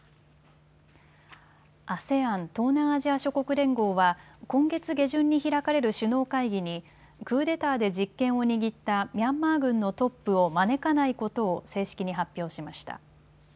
ＡＳＥＡＮ・東南アジア諸国連合は今月下旬に開かれる首脳会議にクーデターで実権を握ったミャンマー軍のトップを招かないことを正式に発表しました。